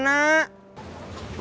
kang amin mau kemana